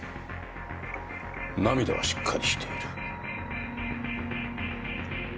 涙はしっかりしている。